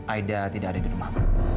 aida tidak ada di rumah